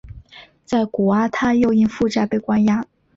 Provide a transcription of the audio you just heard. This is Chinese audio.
在果阿他又因负债被关押。